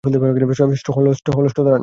হলস্ট, দাঁড়ান।